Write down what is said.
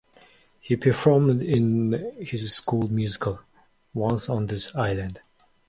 He performed in his school musical "Once on This Island".